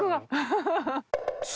ハハハ